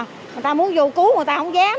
người ta muốn vô cứu người ta không dám